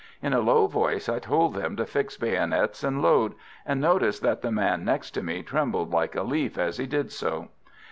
In a low voice I told them to fix bayonets and load, and noticed that the man next to me trembled like a leaf as he did so.